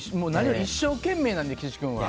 一生懸命なので、岸君は。